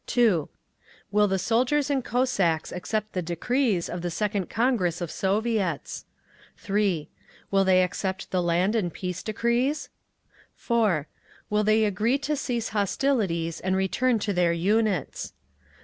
(2) Will the soldiers and Cossacks accept the decrees of the second Congress of Soviets? (3) Will they accept the Land and Peace decrees? (4) Will they agree to cease hostilities and return to their units?